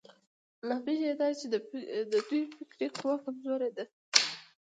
لامل يې دا دی چې د دوی فکري قوه کمزورې ده.